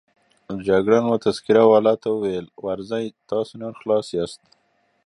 جګړن وه تذکره والاو ته وویل: ورځئ، تاسو نور خلاص یاست.